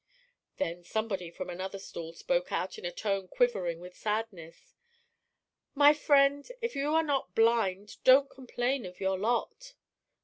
Then somebody from another stall spoke out in a tone quivering with sadness. "My friends, if you are not blind don't complain of your lot."